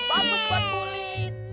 bagus buat kulit